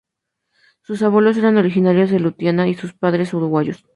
Sus abuelos eran originarios de Lituania y sus padres uruguayos.